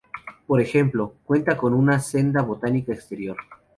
Por ejemplo, cuenta con una senda botánica exterior.